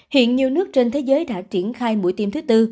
hiện nhiều nước trên thế giới đã triển khai mũi tiêm thứ tư